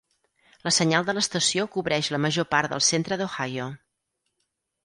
La senyal de l'estació cobreix la major part del centre d'Ohio.